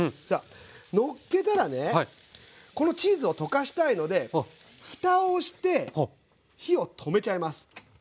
のっけたらねこのチーズを溶かしたいのでふたをして火を止めちゃいます。